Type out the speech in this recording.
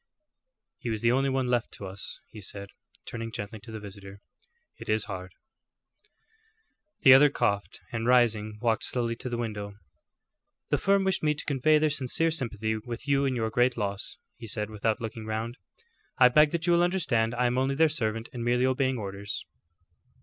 "He was the only one left to us," he said, turning gently to the visitor. "It is hard." The other coughed, and rising, walked slowly to the window. "The firm wished me to convey their sincere sympathy with you in your great loss," he said, without looking round. "I beg that you will understand I am only their servant and merely obeying orders."